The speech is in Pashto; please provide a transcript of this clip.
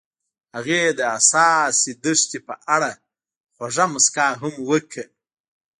هغې د حساس دښته په اړه خوږه موسکا هم وکړه.